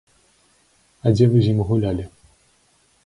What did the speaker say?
А дзе вы з ім гулялі?